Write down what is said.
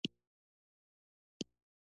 تر روغبړ وروسته همدلته کېناستو.